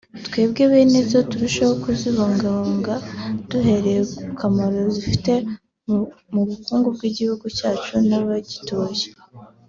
twe bene zo turusheho kuzikunda no kuzibungabunga duhereye ku kamaro zifite mu bukungu bw’Igihugu cyacu n’abagituye